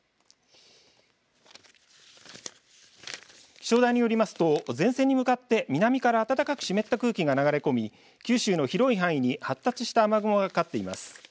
気象台によりますと前線に向かって南から暖かく湿った空気が流れ込み九州の広い範囲に発達した雨雲がかかっています。